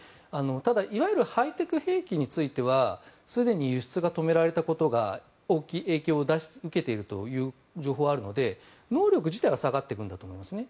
ただ、いわゆるハイテク兵器についてはすでに輸出が止められたことが影響を受けているという情報があるので能力自体が下がっていくんだと思いますね。